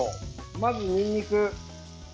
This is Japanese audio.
まず、にんにく。